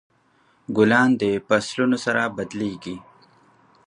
ګلان د فصلونو سره بدلیږي.